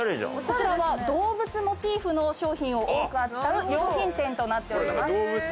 こちらは動物モチーフの商品を多く扱う洋品店となっております。